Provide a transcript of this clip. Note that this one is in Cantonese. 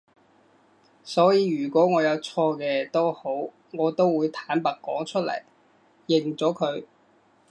所以如果我有錯嘅都好我都會坦白講出嚟，認咗佢